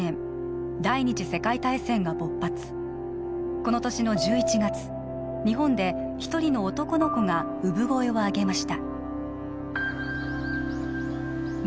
この年の１１月日本で一人の男の子が産声を上げました